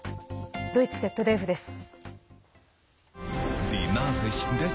ドイツＺＤＦです。